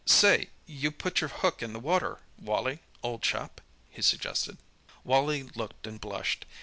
"Say you put your hook in the water, Wally, old chap," he suggested. Wally looked and blushed.